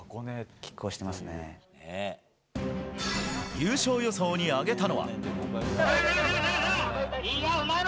優勝予想に挙げたのは。